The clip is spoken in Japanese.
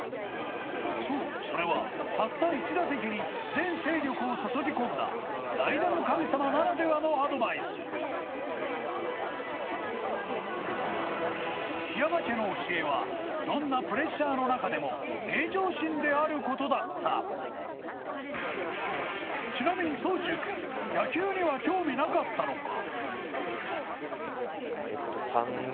そうそれはたった１打席に全精力を注ぎ込んだ代打の神様ならではのアドバイス桧山家の教えはどんなプレッシャーの中でも平常心であることだったちなみに宗秀君野球には興味なかったのか？